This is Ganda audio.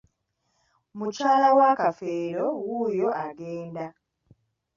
Mukyala wa Kafeero wuuyo agenda.